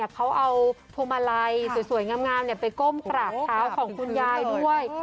เขาเอาพวงมาลัยสวยงามไปก้มกราบเท้าของคุณยายด้วย